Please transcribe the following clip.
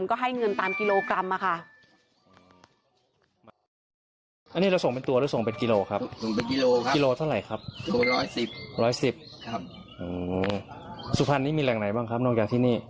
ก็ให้เงินตามกิโลกรัมค่ะ